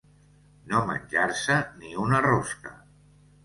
No menjar-se ni una rosca.